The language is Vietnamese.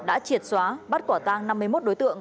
đã triệt xóa bắt quả tăng năm mươi một đối tượng